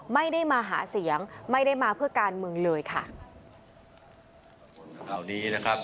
ไม่ได้มาหาเสียงไม่ได้มาเพื่อการเมืองเลยค่ะ